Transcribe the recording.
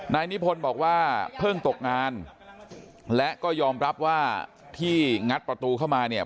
นายนิพนธ์บอกว่าเพิ่งตกงานและก็ยอมรับว่าที่งัดประตูเข้ามาเนี่ย